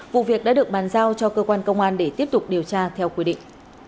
vụ việc đã được bàn giao cho cơ quan công an để tiếp tục điều tra theo quy định